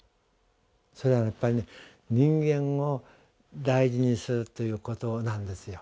それはやっぱり人間を大事にするということなんですよ。